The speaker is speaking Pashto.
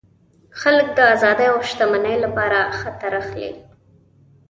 خلک د آزادۍ او شتمنۍ لپاره خطر اخلي.